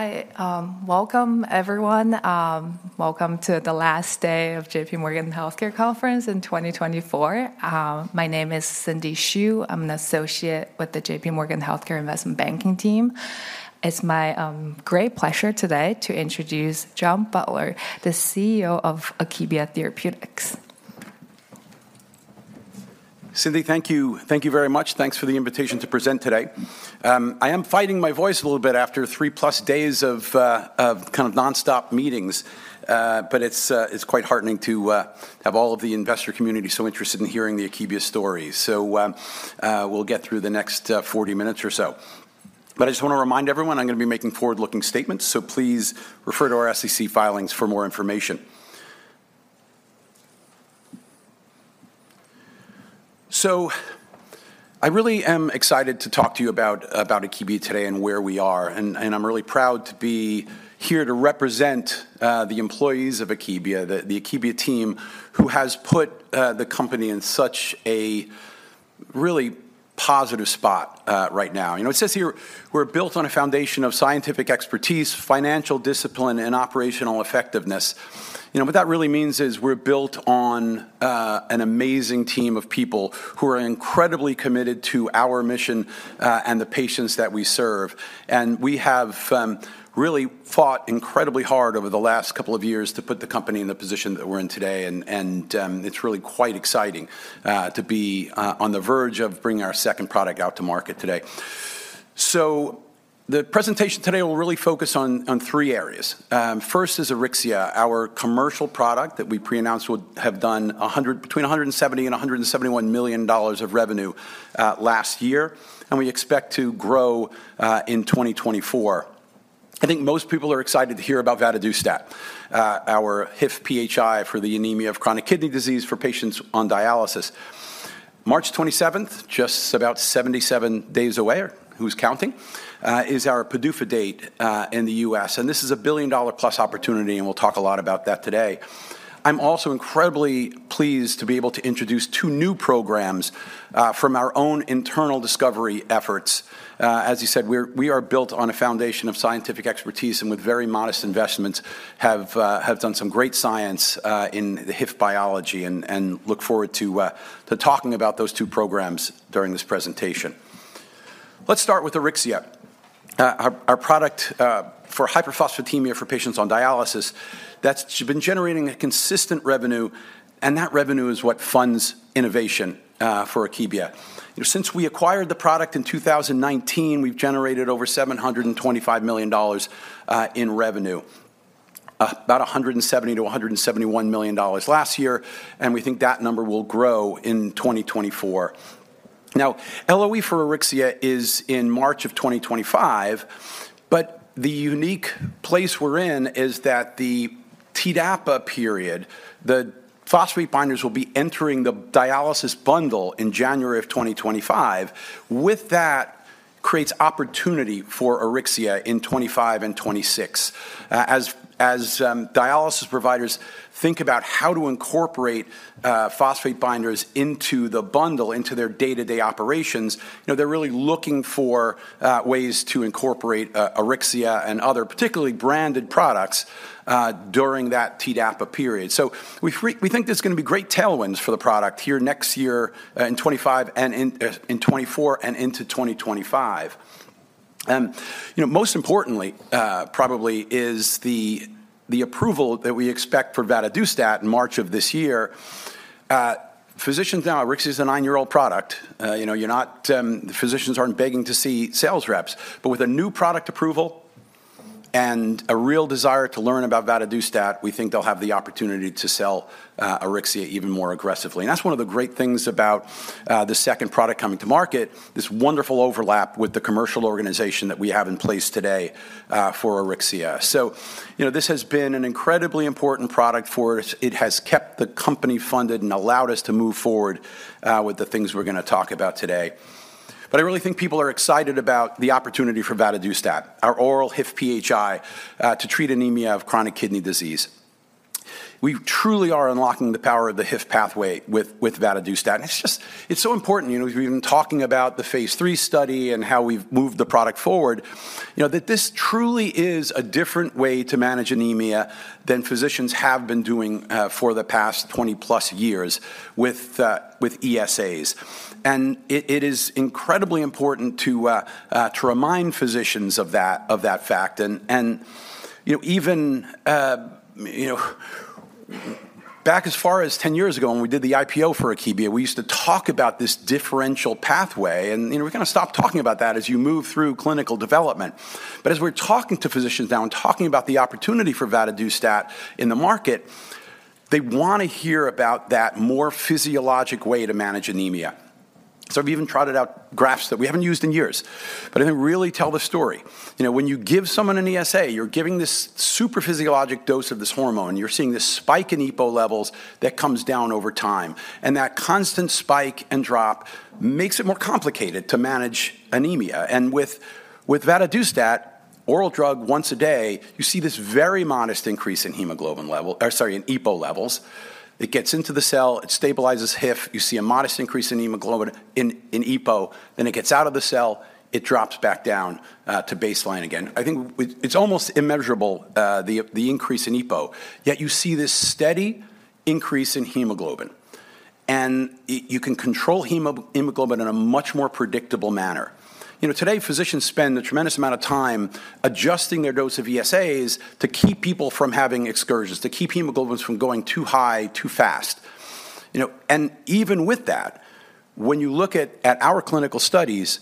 All right, welcome everyone. Welcome to the last day of J.P. Morgan Healthcare Conference in 2024. My name is Cindy Xue. I'm an associate with the J.P. Morgan Healthcare Investment Banking team. It's my great pleasure today to introduce John Butler, the CEO of Akebia Therapeutics. Cindy, thank you. Thank you very much. Thanks for the invitation to present today. I am fighting my voice a little bit after 3+ days of kind of nonstop meetings, but it's quite heartening to have all of the investor community so interested in hearing the Akebia story. So, we'll get through the next 40 minutes or so. But I just want to remind everyone, I'm gonna be making forward-looking statements, so please refer to our SEC filings for more information. So I really am excited to talk to you about Akebia today and where we are, and I'm really proud to be here to represent the employees of Akebia, the Akebia team, who has put the company in such a really positive spot right now. You know, it says here we're built on a foundation of scientific expertise, financial discipline, and operational effectiveness. You know, what that really means is we're built on an amazing team of people who are incredibly committed to our mission, and the patients that we serve. We have really fought incredibly hard over the last couple of years to put the company in the position that we're in today, and it's really quite exciting to be on the verge of bringing our second product out to market today. The presentation today will really focus on three areas. First is Auryxia, our commercial product that we pre-announced would have done between $170 million and $171 million of revenue last year, and we expect to grow in 2024. I think most people are excited to hear about vadadustat, our HIF-PHI for the anemia of chronic kidney disease for patients on dialysis. March twenty-seventh, just about 77 days away, who's counting?, is our PDUFA date, in the U.S., and this is a billion-dollar-plus opportunity, and we'll talk a lot about that today. I'm also incredibly pleased to be able to introduce two new programs, from our own internal discovery efforts. As you said, we are built on a foundation of scientific expertise, and with very modest investments, have done some great science, in the HIF biology and look forward to talking about those two programs during this presentation. Let's start with Auryxia. Our product for hyperphosphatemia for patients on dialysis, that's been generating a consistent revenue, and that revenue is what funds innovation for Akebia. You know, since we acquired the product in 2019, we've generated over $725 million in revenue. About $170 million-$171 million last year, and we think that number will grow in 2024. Now, LOE for Auryxia is in March of 2025, but the unique place we're in is that the TDAPA period, the phosphate binders will be entering the dialysis bundle in January of 2025. With that creates opportunity for Auryxia in 2025 and 2026. As dialysis providers think about how to incorporate phosphate binders into the bundle, into their day-to-day operations, you know, they're really looking for ways to incorporate Auryxia and other particularly branded products during that TDAPA period. So we think there's gonna be great tailwinds for the product here next year in 25 and in 2025. You know, most importantly, probably is the approval that we expect for vadadustat in March of this year. Physicians now, Auryxia is a nine-year-old product. You know, you're not... physicians aren't begging to see sales reps, but with a new product approval and a real desire to learn about vadadustat, we think they'll have the opportunity to sell Auryxia even more aggressively. That's one of the great things about the second product coming to market, this wonderful overlap with the commercial organization that we have in place today for Auryxia. So, you know, this has been an incredibly important product for us. It has kept the company funded and allowed us to move forward with the things we're gonna talk about today. But I really think people are excited about the opportunity for vadadustat, our oral HIF-PHI, to treat anemia of chronic kidney disease. We truly are unlocking the power of the HIF pathway with vadadustat. And it's just, it's so important, you know, we've been talking about the Phase III study and how we've moved the product forward. You know, that this truly is a different way to manage anemia than physicians have been doing for the past 20+ years with ESAs. And it is incredibly important to remind physicians of that fact. And you know even you know back as far as 10 years ago when we did the IPO for Akebia, we used to talk about this differential pathway, and you know we kinda stopped talking about that as you move through clinical development. But as we're talking to physicians now and talking about the opportunity for vadadustat in the market, they wanna hear about that more physiologic way to manage anemia. So I've even trotted out graphs that we haven't used in years, but I think really tell the story. You know, when you give someone an ESA, you're giving this super physiologic dose of this hormone, you're seeing this spike in EPO levels that comes down over time, and that constant spike and drop makes it more complicated to manage anemia. And with vadadustat, oral drug once a day, you see this very modest increase in hemoglobin level, or sorry, in EPO levels. It gets into the cell, it stabilizes HIF, you see a modest increase in hemoglobin in EPO, then it gets out of the cell, it drops back down to baseline again. I think it's almost immeasurable, the increase in EPO, yet you see this steady increase in hemoglobin, and you can control hemoglobin in a much more predictable manner. You know, today, physicians spend a tremendous amount of time adjusting their dose of ESAs to keep people from having excursions, to keep hemoglobins from going too high, too fast. You know, and even with that, when you look at our clinical studies,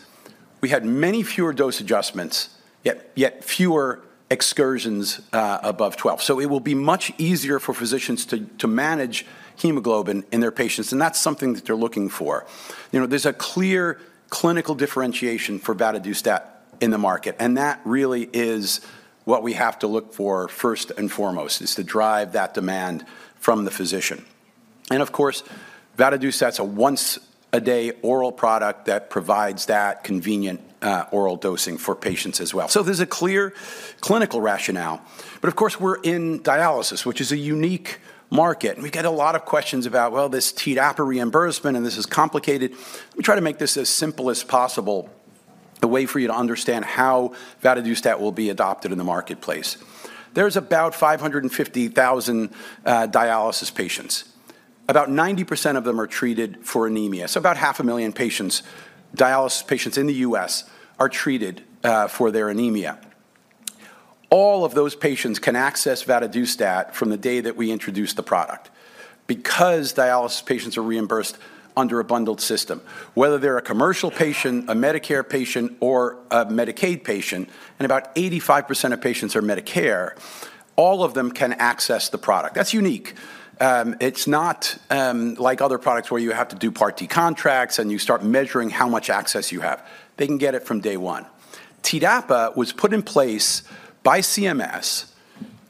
we had many fewer dose adjustments, yet fewer excursions above 12. So it will be much easier for physicians to manage hemoglobin in their patients, and that's something that they're looking for. You know, there's a clear clinical differentiation for vadadustat in the market, and that really is what we have to look for first and foremost, is to drive that demand from the physician. And of course, vadadustat's a once-a-day oral product that provides that convenient oral dosing for patients as well. So there's a clear clinical rationale, but of course, we're in dialysis, which is a unique market, and we get a lot of questions about, well, this TDAPA reimbursement, and this is complicated. Let me try to make this as simple as possible, a way for you to understand how vadadustat will be adopted in the marketplace. There's about 550,000 dialysis patients. About 90% of them are treated for anemia, so about 500,000 patients, dialysis patients in the U.S., are treated for their anemia. All of those patients can access vadadustat from the day that we introduce the product because dialysis patients are reimbursed under a bundled system. Whether they're a commercial patient, a Medicare patient, or a Medicaid patient, and about 85% of patients are Medicare, all of them can access the product. That's unique. It's not like other products where you have to do Part D contracts, and you start measuring how much access you have. They can get it from day one. TDAPA was put in place by CMS.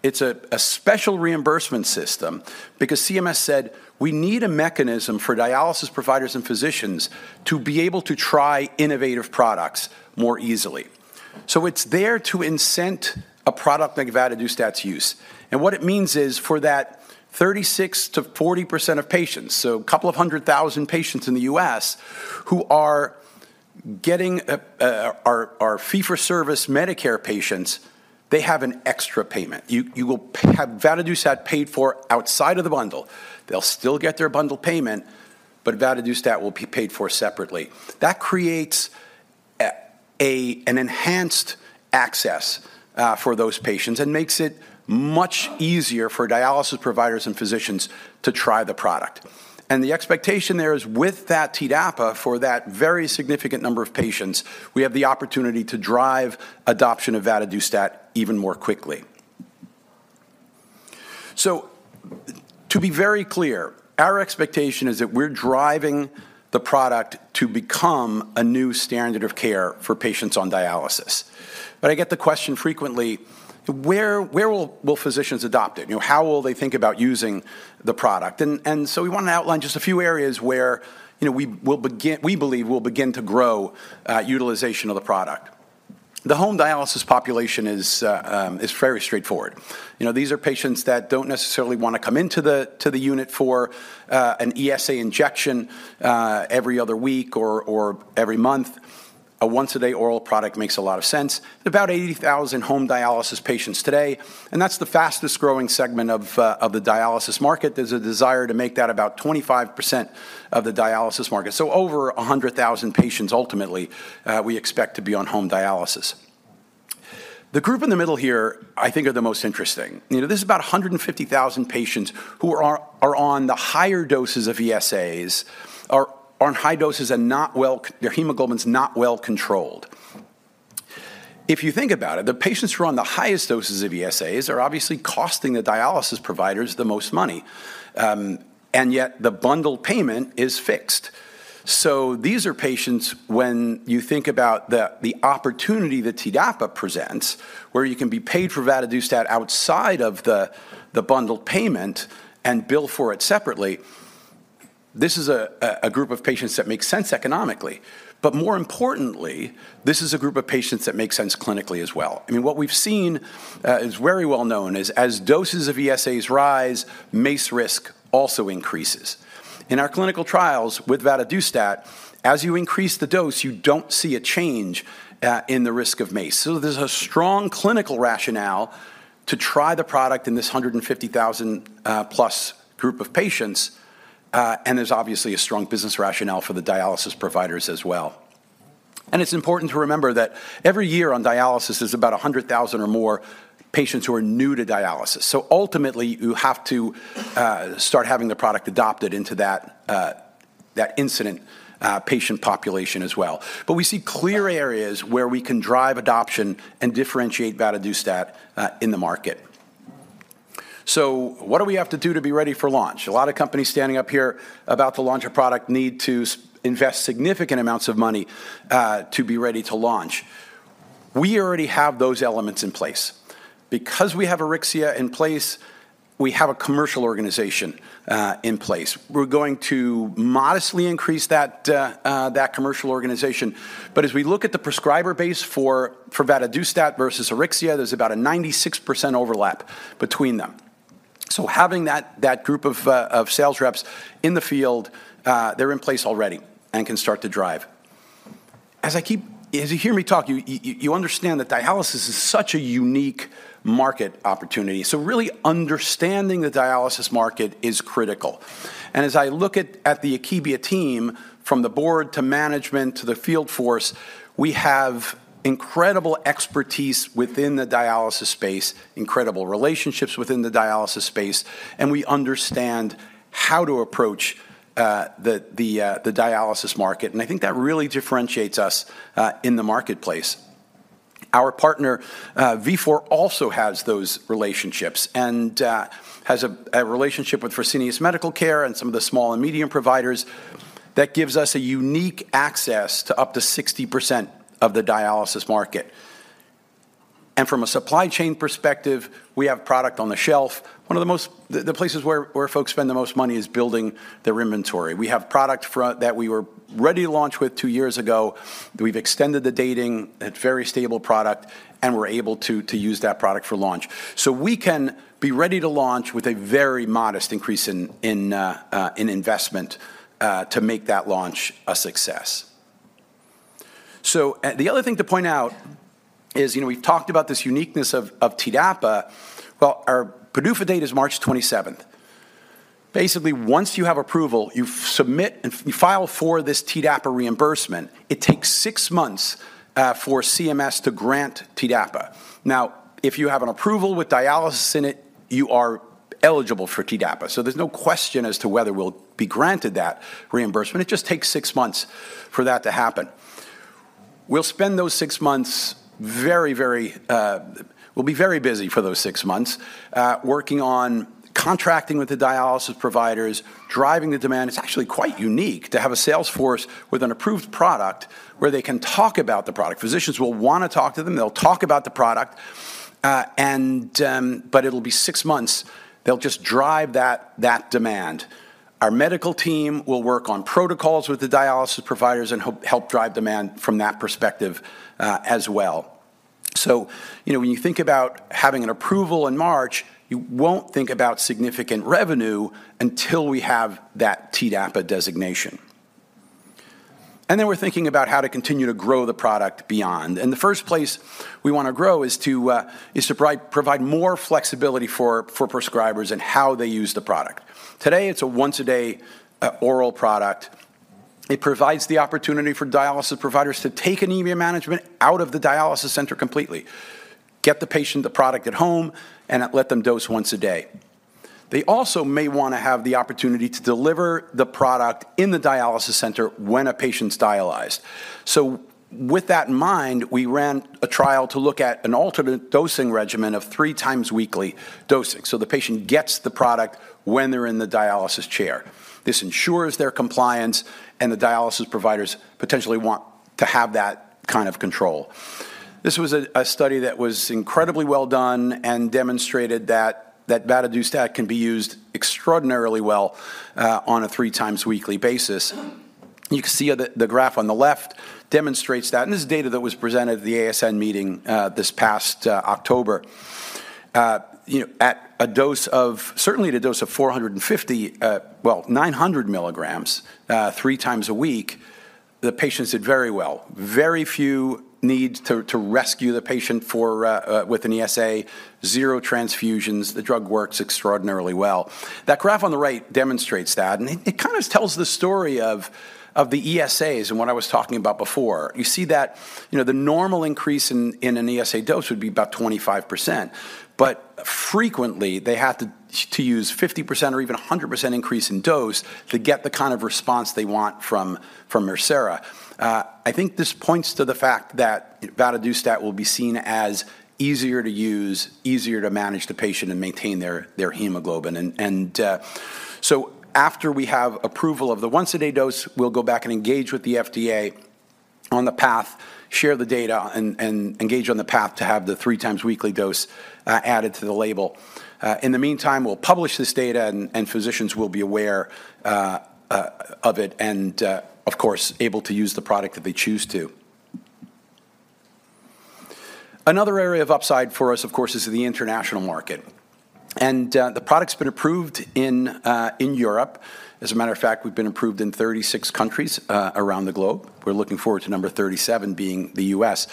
It's a special reimbursement system because CMS said, "We need a mechanism for dialysis providers and physicians to be able to try innovative products more easily." So it's there to incent a product like vadadustat's use, and what it means is, for that 36%-40% of patients, so a couple of 100,000 patients in the U.S., who are getting... are fee-for-service Medicare patients, they have an extra payment. You will have vadadustat paid for outside of the bundle. They'll still get their bundle payment, but vadadustat will be paid for separately. That creates an enhanced access for those patients and makes it much easier for dialysis providers and physicians to try the product. And the expectation there is, with that TDAPA, for that very significant number of patients, we have the opportunity to drive adoption of vadadustat even more quickly. So to be very clear, our expectation is that we're driving the product to become a new standard of care for patients on dialysis. But I get the question frequently, where will physicians adopt it? You know, how will they think about using the product? And so we want to outline just a few areas where, you know, we will begin. We believe we'll begin to grow utilization of the product. The home dialysis population is very straightforward. You know, these are patients that don't necessarily want to come into the unit for an ESA injection every other week or every month. A once-a-day oral product makes a lot of sense. About 80,000 home dialysis patients today, and that's the fastest-growing segment of the dialysis market. There's a desire to make that about 25% of the dialysis market, so over 100,000 patients, ultimately, we expect to be on home dialysis. The group in the middle here I think are the most interesting. You know, this is about 150,000 patients who are on the higher doses of ESAs, are on high doses and not well controlled. Their hemoglobin's not well controlled. If you think about it, the patients who are on the highest doses of ESAs are obviously costing the dialysis providers the most money, and yet the bundle payment is fixed. So these are patients, when you think about the opportunity that TDAPA presents, where you can be paid for vadadustat outside of the bundle payment and bill for it separately, this is a group of patients that make sense economically. But more importantly, this is a group of patients that make sense clinically as well. I mean, what we've seen is very well known, is as doses of ESAs rise, MACE risk also increases. In our clinical trials with vadadustat, as you increase the dose, you don't see a change in the risk of MACE. So there's a strong clinical rationale to try the product in this 150,000+ group of patients, and there's obviously a strong business rationale for the dialysis providers as well. And it's important to remember that every year on dialysis is about 100,000 or more patients who are new to dialysis. So ultimately, you have to start having the product adopted into that incident patient population as well. But we see clear areas where we can drive adoption and differentiate vadadustat in the market. So what do we have to do to be ready for launch? A lot of companies standing up here about to launch a product need to invest significant amounts of money to be ready to launch. We already have those elements in place. Because we have Auryxia in place, we have a commercial organization in place. We're going to modestly increase that commercial organization. But as we look at the prescriber base for vadadustat versus Auryxia, there's about a 96% overlap between them. So having that group of sales reps in the field, they're in place already and can start to drive.... As I keep, as you hear me talk, you understand that dialysis is such a unique market opportunity. So really understanding the dialysis market is critical. As I look at the Akebia team, from the board to management to the field force, we have incredible expertise within the dialysis space, incredible relationships within the dialysis space, and we understand how to approach the dialysis market, and I think that really differentiates us in the marketplace. Our partner Vifor also has those relationships and has a relationship with Fresenius Medical Care and some of the small and medium providers that gives us a unique access to up to 60% of the dialysis market. From a supply chain perspective, we have product on the shelf. One of the places where folks spend the most money is building their inventory. We have product that we were ready to launch with two years ago. We've extended the dating, a very stable product, and we're able to use that product for launch. So we can be ready to launch with a very modest increase in investment to make that launch a success. So the other thing to point out is, you know, we've talked about this uniqueness of TDAPA, but our PDUFA date is March 27th. Basically, once you have approval, you submit and you file for this TDAPA reimbursement. It takes six months for CMS to grant TDAPA. Now, if you have an approval with dialysis in it, you are eligible for TDAPA. So there's no question as to whether we'll be granted that reimbursement. It just takes six months for that to happen. We'll spend those six months very, very... We'll be very busy for those six months, working on contracting with the dialysis providers, driving the demand. It's actually quite unique to have a sales force with an approved product where they can talk about the product. Physicians will want to talk to them. They'll talk about the product, and, but it'll be six months. They'll just drive that demand. Our medical team will work on protocols with the dialysis providers and help drive demand from that perspective, as well. So, you know, when you think about having an approval in March, you won't think about significant revenue until we have that TDAPA designation. And then we're thinking about how to continue to grow the product beyond. And the first place we wanna grow is to provide more flexibility for prescribers and how they use the product. Today, it's a once-a-day oral product. It provides the opportunity for dialysis providers to take anemia management out of the dialysis center completely, get the patient the product at home, and let them dose once a day. They also may wanna have the opportunity to deliver the product in the dialysis center when a patient's dialyzed. So with that in mind, we ran a trial to look at an alternate dosing regimen of three times weekly dosing, so the patient gets the product when they're in the dialysis chair. This ensures their compliance, and the dialysis providers potentially want to have that kind of control. This was a study that was incredibly well done and demonstrated that vadadustat can be used extraordinarily well on a three times weekly basis. You can see the graph on the left demonstrates that, and this is data that was presented at the ASN meeting this past October. You know, at a dose of certainly at a dose of 450, well, 900 milligrams three times a week, the patients did very well. Very few need to rescue the patient for with an ESA, zero transfusions. The drug works extraordinarily well. That graph on the right demonstrates that, and it kind of tells the story of the ESAs and what I was talking about before. You see that, you know, the normal increase in an ESA dose would be about 25%, but frequently, they have to use 50% or even a 100% increase in dose to get the kind of response they want from Mircera. I think this points to the fact that vadadustat will be seen as easier to use, easier to manage the patient and maintain their hemoglobin. And so after we have approval of the once-a-day dose, we'll go back and engage with the FDA on the path, share the data, and engage on the path to have the three times weekly dose added to the label. In the meantime, we'll publish this data, and physicians will be aware of it and, of course, able to use the product if they choose to. Another area of upside for us, of course, is the international market, and the product's been approved in Europe. As a matter of fact, we've been approved in 36 countries around the globe. We're looking forward to number 37 being the U.S.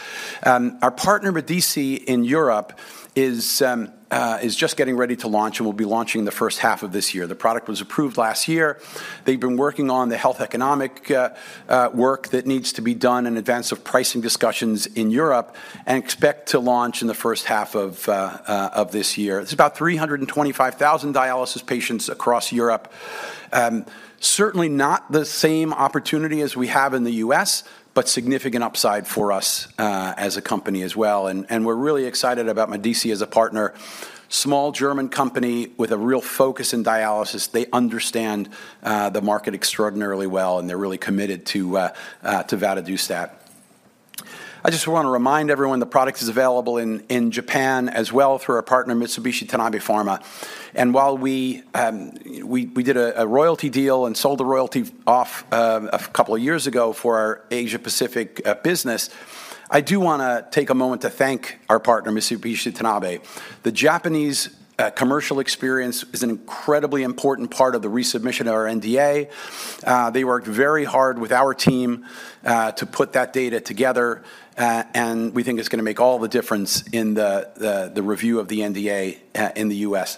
Our partner, Medice, in Europe is just getting ready to launch and will be launching the first half of this year. The product was approved last year. They've been working on the health economic work that needs to be done in advance of pricing discussions in Europe and expect to launch in the first half of this year. It's about 325,000 dialysis patients across Europe. Certainly not the same opportunity as we have in the US, but significant upside for us as a company as well. We're really excited about Medice as a partner. Small German company with a real focus in dialysis. They understand the market extraordinarily well, and they're really committed to vadadustat. I just wanna remind everyone the product is available in Japan as well through our partner, Mitsubishi Tanabe Pharma. While we did a royalty deal and sold the royalty off a couple of years ago for our Asia-Pacific business, I do wanna take a moment to thank our partner, Mitsubishi Tanabe. The Japanese commercial experience is an incredibly important part of the resubmission of our NDA. They worked very hard with our team to put that data together, and we think it's gonna make all the difference in the review of the NDA in the U.S.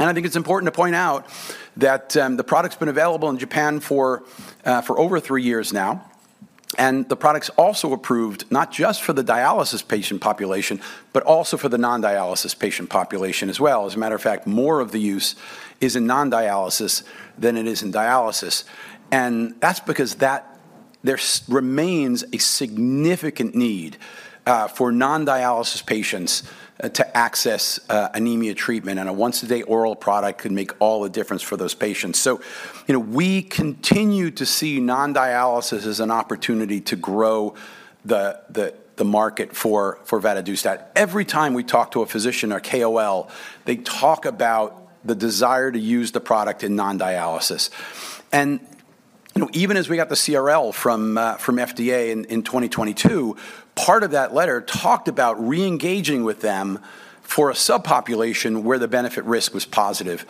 And I think it's important to point out that the product's been available in Japan for over three years now, and the product's also approved not just for the dialysis patient population, but also for the non-dialysis patient population as well. As a matter of fact, more of the use is in non-dialysis than it is in dialysis, and that's because there remains a significant need for non-dialysis patients to access anemia treatment, and a once-a-day oral product could make all the difference for those patients. So, you know, we continue to see non-dialysis as an opportunity to grow the market for vadadustat. Every time we talk to a physician or KOL, they talk about the desire to use the product in non-dialysis. And, you know, even as we got the CRL from FDA in 2022, part of that letter talked about re-engaging with them for a subpopulation where the benefit risk was positive.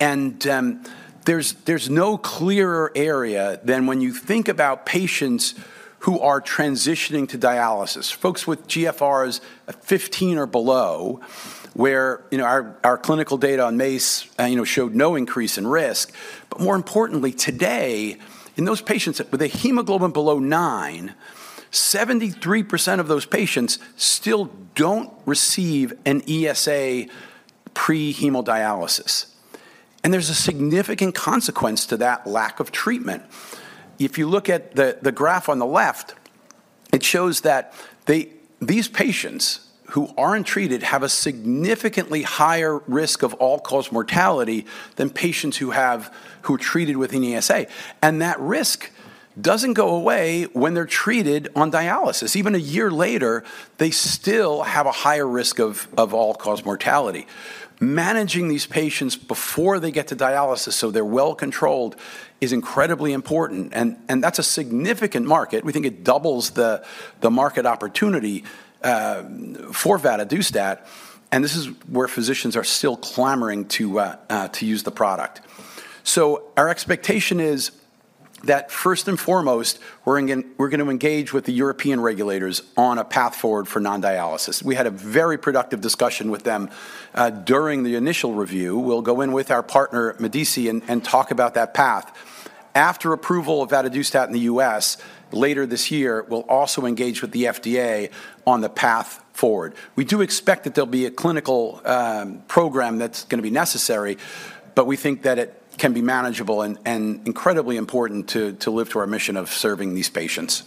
And, there's no clearer area than when you think about patients who are transitioning to dialysis. Folks with GFRs at 15 or below, where, you know, our clinical data on MACE showed no increase in risk, but more importantly, today, in those patients with a hemoglobin below nine, 73% of those patients still don't receive an ESA pre-hemodialysis. And there's a significant consequence to that lack of treatment. If you look at the graph on the left, it shows that these patients who aren't treated have a significantly higher risk of all-cause mortality than patients who are treated with an ESA. That risk doesn't go away when they're treated on dialysis. Even a year later, they still have a higher risk of all-cause mortality. Managing these patients before they get to dialysis, so they're well-controlled, is incredibly important, and that's a significant market. We think it doubles the market opportunity for vadadustat, and this is where physicians are still clamoring to use the product. So our expectation is that, first and foremost, we're gonna engage with the European regulators on a path forward for non-dialysis. We had a very productive discussion with them during the initial review. We'll go in with our partner, Medice, and talk about that path. After approval of vadadustat in the U.S. later this year, we'll also engage with the FDA on the path forward. We do expect that there'll be a clinical program that's gonna be necessary, but we think that it can be manageable and incredibly important to live to our mission of serving these patients.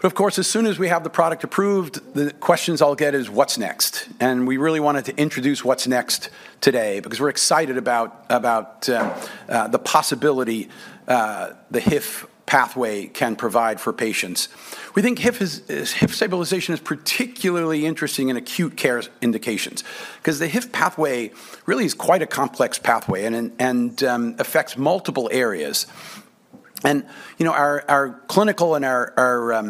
But of course, as soon as we have the product approved, the questions I'll get is: What's next? We really wanted to introduce what's next today because we're excited about the possibility the HIF pathway can provide for patients. We think HIF is HIF stabilization is particularly interesting in acute care indications 'cause the HIF pathway really is quite a complex pathway and affects multiple areas. And, you know, our clinical and our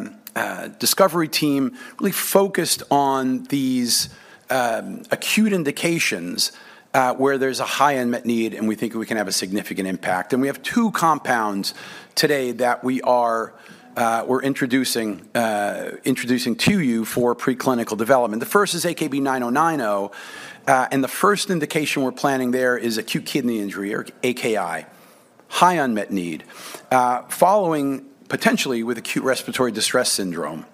discovery team really focused on these acute indications where there's a high unmet need, and we think we can have a significant impact. We have two compounds today that we are, we're introducing to you for preclinical development. The first is AKB-9090, and the first indication we're planning there is acute kidney injury or AKI, high unmet need, following potentially with acute respiratory distress syndrome.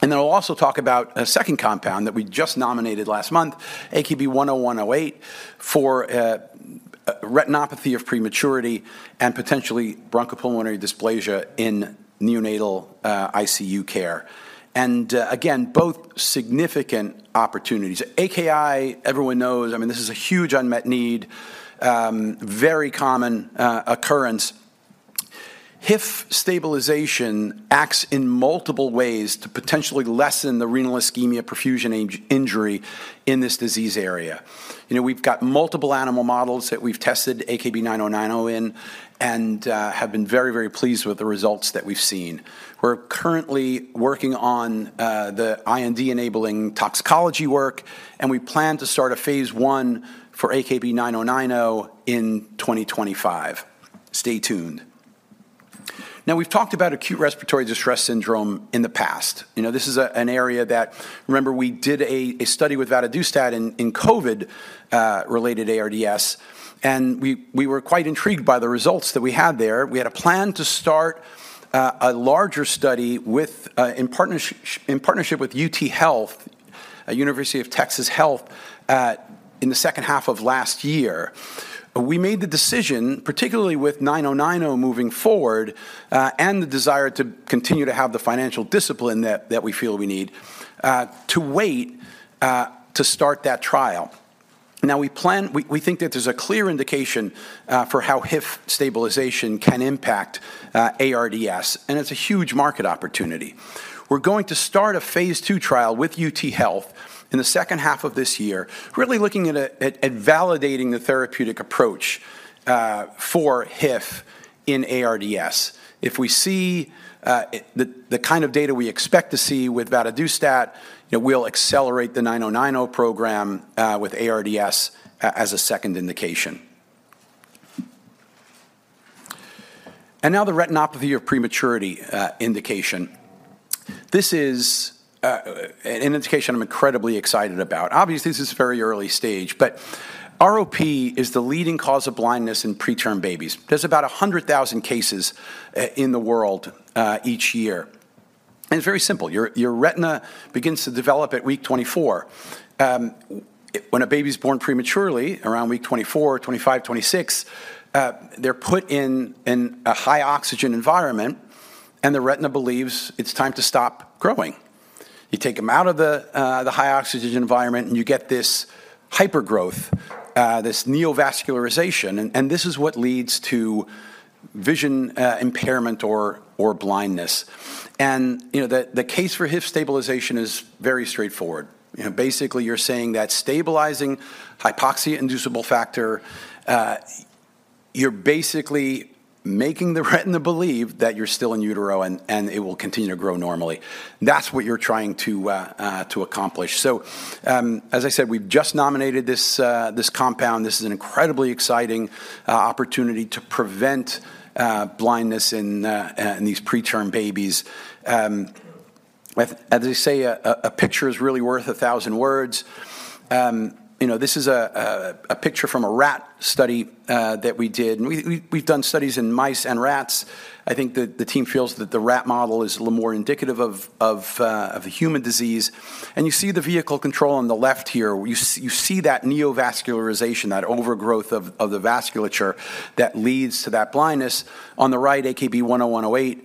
Then I'll also talk about a second compound that we just nominated last month, AKB-10108, for retinopathy of prematurity and potentially bronchopulmonary dysplasia in neonatal ICU care, and again, both significant opportunities. AKI, everyone knows, I mean, this is a huge unmet need, very common occurrence. HIF stabilization acts in multiple ways to potentially lessen the renal ischemia-perfusion injury in this disease area. You know, we've got multiple animal models that we've tested AKB-9090 in and have been very, very pleased with the results that we've seen. We're currently working on the IND-enabling toxicology work, and we plan to start a Phase I for AKB-9090 in 2025. Stay tuned. Now, we've talked about acute respiratory distress syndrome in the past. You know, this is an area that... remember, we did a study with vadadustat in COVID-related ARDS, and we were quite intrigued by the results that we had there. We had a plan to start a larger study in partnership with UT Health, University of Texas Health, in the second half of last year. We made the decision, particularly with 9090 moving forward, and the desire to continue to have the financial discipline that we feel we need, to wait to start that trial. Now, we think that there's a clear indication for how HIF stabilization can impact ARDS, and it's a huge market opportunity. We're going to start a Phase II trial with UT Health in the second half of this year, really looking at validating the therapeutic approach for HIF in ARDS. If we see the kind of data we expect to see with vadadustat, you know, we'll accelerate the 9090 program with ARDS as a second indication. Now the retinopathy of prematurity indication. This is an indication I'm incredibly excited about. Obviously, this is very early stage, but ROP is the leading cause of blindness in preterm babies. There's about 100,000 cases in the world each year, and it's very simple. Your retina begins to develop at week 24. When a baby's born prematurely around week 24, 25, 26, they're put in a high oxygen environment, and the retina believes it's time to stop growing. You take them out of the high oxygen environment, and you get this hypergrowth, this neovascularization, and this is what leads to vision impairment or blindness. And, you know, the case for HIF stabilization is very straightforward. You know, basically, you're saying that stabilizing hypoxia-inducible factor, you're basically making the retina believe that you're still in utero, and it will continue to grow normally. That's what you're trying to accomplish. So, as I said, we've just nominated this compound. This is an incredibly exciting opportunity to prevent blindness in these preterm babies. With as they say, a picture is really worth a thousand words. You know, this is a picture from a rat study that we did, and we've done studies in mice and rats. I think the team feels that the rat model is a little more indicative of the human disease, and you see the vehicle control on the left here. You see that neovascularization, that overgrowth of the vasculature that leads to that blindness. On the right, AKB-10108,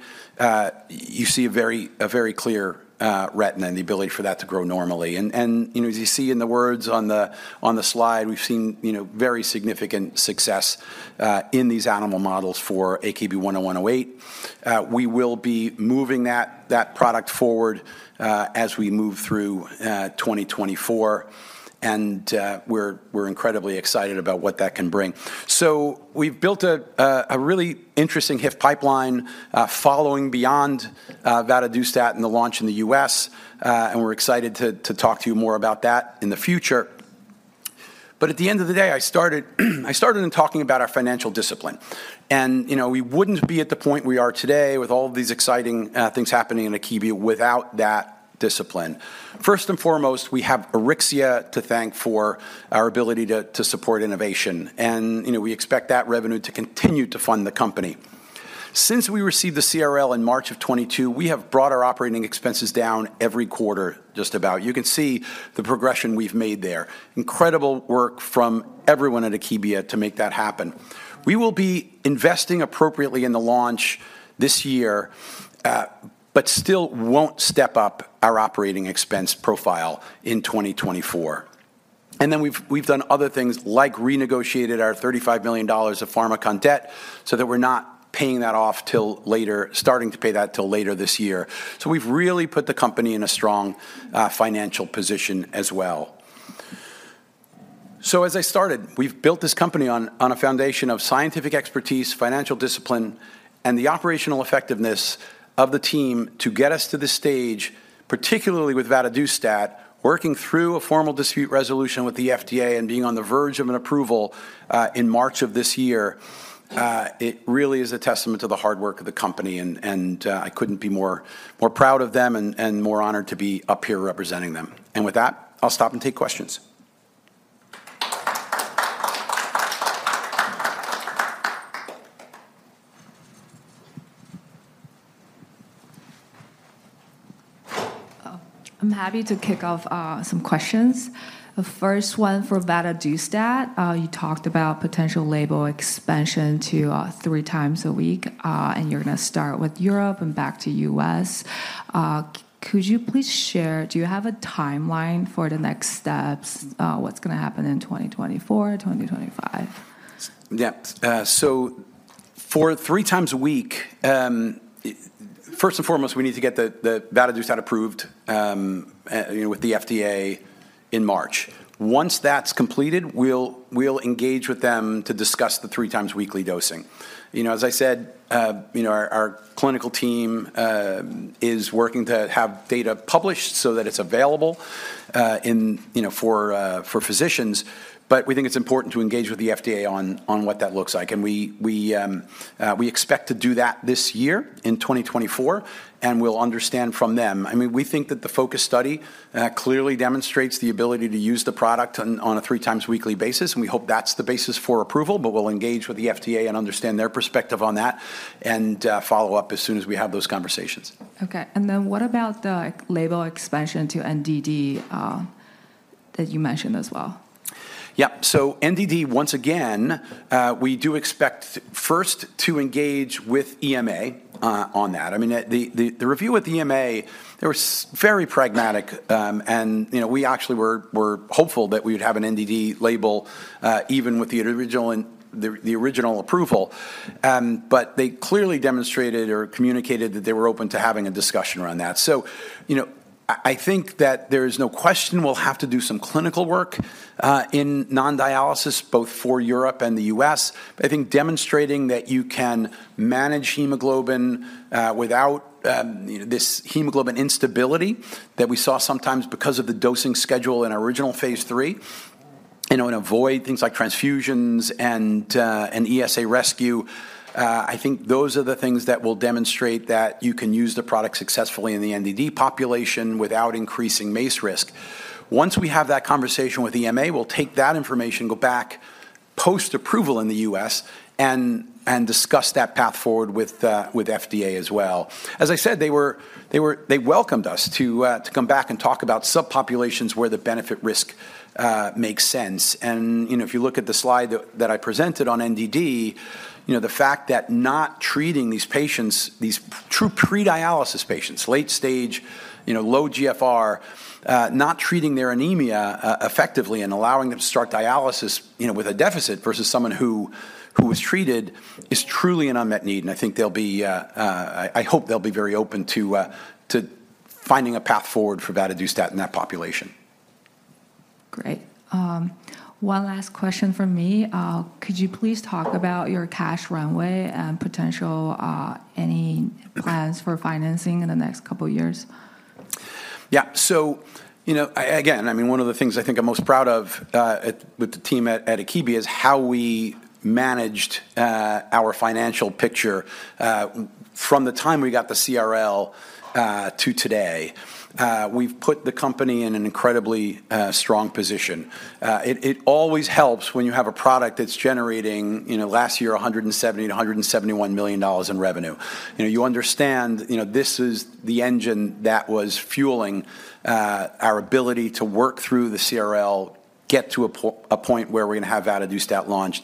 you see a very clear retina and the ability for that to grow normally. You know, as you see in the words on the slide, we've seen very significant success in these animal models for AKB-10108. We will be moving that product forward as we move through 2024, and we're incredibly excited about what that can bring. So we've built a really interesting HIF pipeline following beyond vadadustat and the launch in the U.S., and we're excited to talk to you more about that in the future. But at the end of the day, I started in talking about our financial discipline, and you know, we wouldn't be at the point we are today with all of these exciting things happening in Akebia without that discipline. First and foremost, we have Auryxia to thank for our ability to support innovation, and you know, we expect that revenue to continue to fund the company. Since we received the CRL in March of 2022, we have brought our operating expenses down every quarter, just about. You can see the progression we've made there. Incredible work from everyone at Akebia to make that happen. We will be investing appropriately in the launch this year, but still won't step up our operating expense profile in 2024. And then we've done other things like renegotiated our $35 million of Pharmakon debt so that we're not paying that off till later, starting to pay that till later this year. So we've really put the company in a strong financial position as well. So as I started, we've built this company on a foundation of scientific expertise, financial discipline, and the operational effectiveness of the team to get us to this stage, particularly with vadadustat, working through a formal dispute resolution with the FDA and being on the verge of an approval in March of this year. It really is a testament to the hard work of the company, and I couldn't be more proud of them and more honored to be up here representing them. And with that, I'll stop and take questions. I'm happy to kick off some questions. The first one for vadadustat. You talked about potential label expansion to three times a week, and you're gonna start with Europe and back to U.S. Could you please share, do you have a timeline for the next steps? What's gonna happen in 2024, 2025? Yeah. So for three times a week, first and foremost, we need to get the vadadustat approved, you know, with the FDA in March. Once that's completed, we'll engage with them to discuss the three times weekly dosing. You know, as I said, you know, our clinical team is working to have data published so that it's available, you know, for physicians, but we think it's important to engage with the FDA on what that looks like, and we expect to do that this year in 2024, and we'll understand from them. I mean, we think that the FOCUS study clearly demonstrates the ability to use the product on a three times weekly basis, and we hope that's the basis for approval. We'll engage with the FDA and understand their perspective on that and follow up as soon as we have those conversations. Okay, and then what about the label expansion to NDD that you mentioned as well? Yeah. So NDD, once again, we do expect first to engage with EMA on that. I mean, the review with the EMA, they were very pragmatic, and, you know, we actually were hopeful that we would have an NDD label, even with the original approval. But they clearly demonstrated or communicated that they were open to having a discussion around that. So, you know, I think that there is no question we'll have to do some clinical work in non-dialysis, both for Europe and the U.S. I think demonstrating that you can manage hemoglobin without you know this hemoglobin instability that we saw sometimes because of the dosing schedule in our original Phase III you know and avoid things like transfusions and ESA rescue I think those are the things that will demonstrate that you can use the product successfully in the NDD population without increasing MACE risk. Once we have that conversation with EMA, we'll take that information, go back, post-approval in the U.S., and discuss that path forward with FDA as well. As I said, they welcomed us to come back and talk about subpopulations where the benefit risk makes sense. You know, if you look at the slide that I presented on NDD, you know, the fact that not treating these patients, these true pre-dialysis patients, late stage, you know, low GFR, not treating their anemia effectively and allowing them to start dialysis, you know, with a deficit versus someone who was treated, is truly an unmet need, and I think they'll be, I hope they'll be very open to finding a path forward for vadadustat in that population. Great. One last question from me. Could you please talk about your cash runway and potential, any plans for financing in the next couple of years? Yeah. So, you know, again, I mean, one of the things I think I'm most proud of with the team at Akebia is how we managed our financial picture from the time we got the CRL to today. We've put the company in an incredibly strong position. It always helps when you have a product that's generating, you know, last year, $170 million -$171 million in revenue. You know, you understand, you know, this is the engine that was fueling our ability to work through the CRL, get to a point where we're going to have vadadustat launched.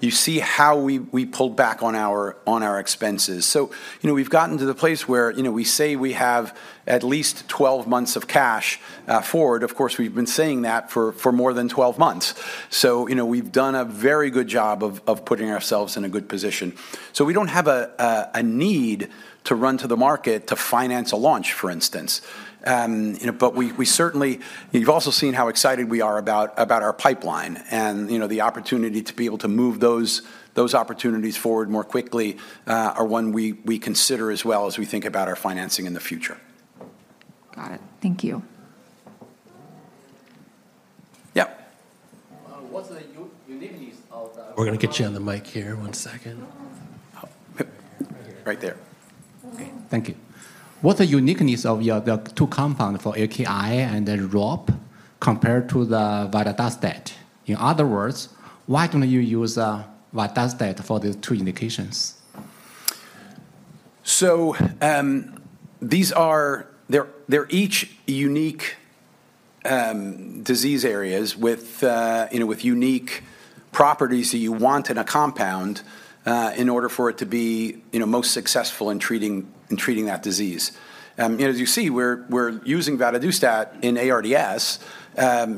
You see how we pulled back on our expenses. So, you know, we've gotten to the place where, you know, we say we have at least 12 months of cash forward. Of course, we've been saying that for more than 12 months. So, you know, we've done a very good job of putting ourselves in a good position. So we don't have a need to run to the market to finance a launch, for instance. You know, but we certainly... You've also seen how excited we are about our pipeline and, you know, the opportunity to be able to move those opportunities forward more quickly, are one we consider as well as we think about our financing in the future. Got it. Thank you. Yeah. What's the uniqueness of the- We're going to get you on the mic here. One second. Oh, yep. Right there. Okay. Thank you. What are uniqueness of your, the two compound for AKI and then ROP compared to the vadadustat? In other words, why don't you use vadadustat for the two indications? So, these are. They're each unique disease areas with, you know, with unique properties that you want in a compound in order for it to be, you know, most successful in treating that disease. As you see, we're using vadadustat in ARDS.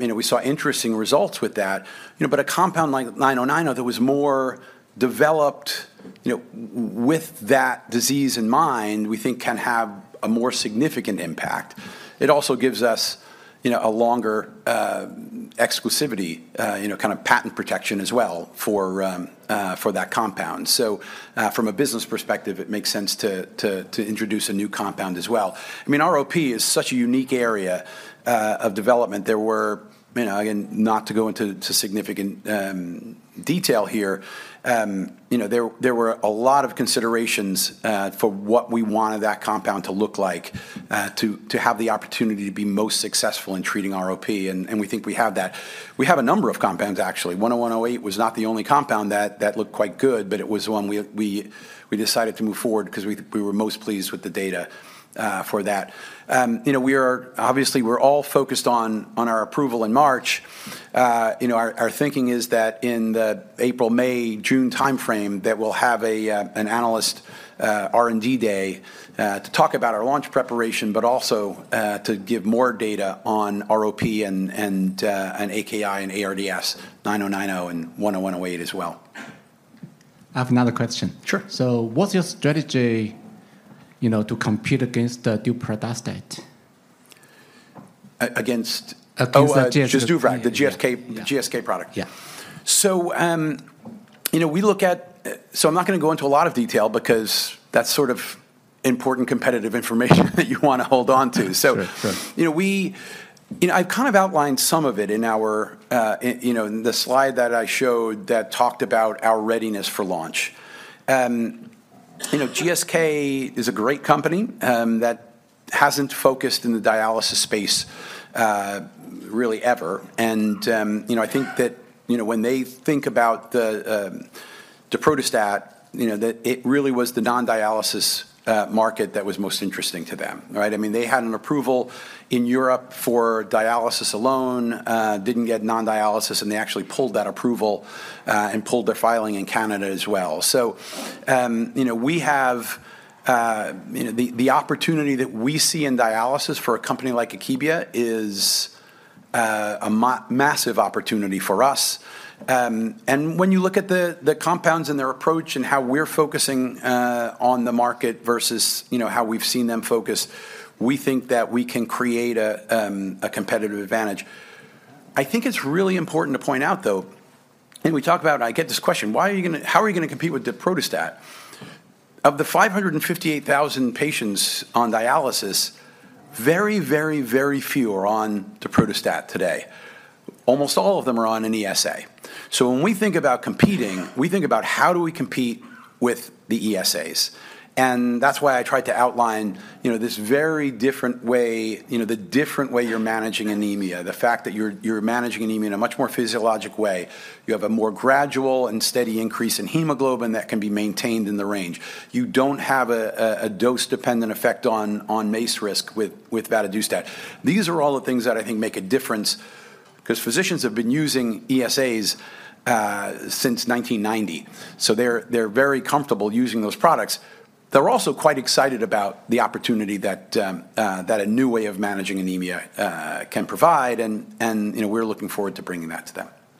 You know, we saw interesting results with that. You know, but a compound like 9090 that was more developed, you know, with that disease in mind, we think can have a more significant impact. It also gives us, you know, a longer exclusivity, you know, kind of patent protection as well for that compound. So, from a business perspective, it makes sense to introduce a new compound as well. I mean, ROP is such a unique area of development. There were, you know, again, not to go into too significant detail here, you know, there were a lot of considerations for what we wanted that compound to look like, to have the opportunity to be most successful in treating ROP, and we think we have that. We have a number of compounds, actually. 10108 was not the only compound that looked quite good, but it was the one we decided to move forward because we were most pleased with the data for that. You know, we are obviously all focused on our approval in March. You know, our thinking is that in the April, May, June timeframe, we'll have an analyst R&D day to talk about our launch preparation, but also to give more data on ROP and AKI and ARDS, 9090 and 10108 as well. I have another question. Sure. What's your strategy, you know, to compete against the daprodustat? A- against- Against the- Oh, just daprodustat, the GSK- Yeah... GSK product? Yeah. So, you know, I'm not going to go into a lot of detail because that's sort of important competitive information that you want to hold on to. Sure. Sure. So, you know, I've kind of outlined some of it in our, in, you know, in the slide that I showed that talked about our readiness for launch. You know, GSK is a great company, that hasn't focused in the dialysis space, really ever. And, you know, I think that, you know, when they think about the, daprodustat, you know, that it really was the non-dialysis, market that was most interesting to them, right? I mean, they had an approval in Europe for dialysis alone, didn't get non-dialysis, and they actually pulled that approval, and pulled their filing in Canada as well. So, you know, we have. You know, the, the opportunity that we see in dialysis for a company like Akebia is, a massive opportunity for us. And when you look at the compounds and their approach and how we're focusing on the market versus, you know, how we've seen them focus, we think that we can create a competitive advantage. I think it's really important to point out, though, and we talk about, I get this question: "How are you gonna compete with daprodustat?" Of the 558,000 patients on dialysis, very, very, very few are on daprodustat today. Almost all of them are on an ESA. So when we think about competing, we think about how do we compete with the ESAs, and that's why I tried to outline, you know, this very different way, you know, the different way you're managing anemia, the fact that you're managing anemia in a much more physiologic way. You have a more gradual and steady increase in hemoglobin that can be maintained in the range. You don't have a dose-dependent effect on MACE risk with vadadustat. These are all the things that I think make a difference, 'cause physicians have been using ESAs since 1990, so they're very comfortable using those products. They're also quite excited about the opportunity that a new way of managing anemia can provide, and, you know, we're looking forward to bringing that to them.